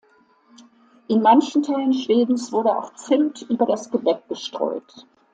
In manchen Teilen Schwedens wurde auch Zimt über das Gebäck gestreut.